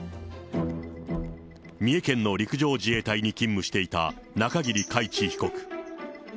三重県の陸上自衛隊に勤務していた中桐海知被告。